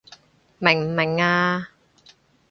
明唔明啊？